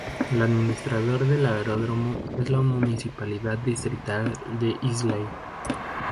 El administrador del aeródromo es la Municipalidad Distrital de Islay.